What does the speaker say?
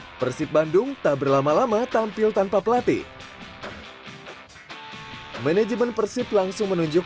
hai persib bandung tak berlama lama tampil tanpa pelatih manajemen persib langsung menunjuk